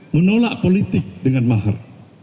menolak politik dengan mahal